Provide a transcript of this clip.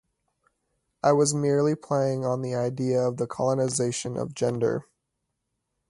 I was merely playing on the idea of the colonization of gender.